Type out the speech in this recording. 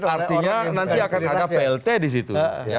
artinya nanti akan ada plt disitu